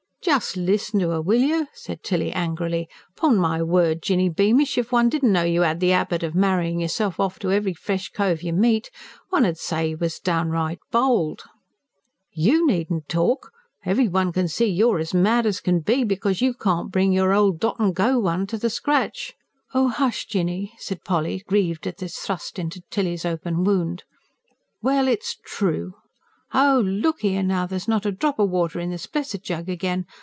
"Just listen to 'er, will you!" said Tilly angrily. "Upon my word, Jinny Beamish, if one didn't know you 'ad the 'abit of marrying yourself off to every fresh cove you meet, one 'ud say you was downright bold!" "YOU needn't talk! Every one can see you're as mad as can be because you can't bring your old dot and go one to the scratch." "Oh, hush, Jinny" said Polly, grieved at this thrust into Tilly's open wound. "Well, it's true. Oh, look 'ere now, there's not a drop o' water in this blessed jug again.